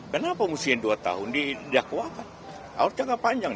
kenapa musimnya dua tahun dia kewakan harus jaga panjang